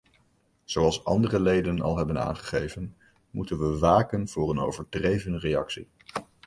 Zoals andere leden al hebben aangegeven, moeten we waken voor een overdreven reactie.